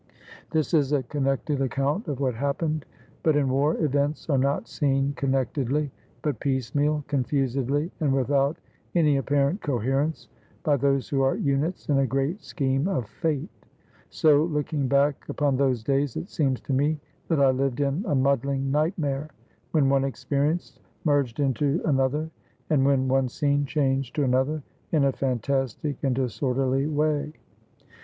This is a connected account of what happened. But in war events are not seen connectedly, but piecemeal, confusedly, and without any apparent coherence, by those who are units in a great scheme of fate. So, look ing back upon those days, it seems to me that I lived in a muddling nightmare, when one experience merged into 444 THE FLIGHT FROM LULE BURGAS another, and when one scene changed to another in a fantastic and disorderly way.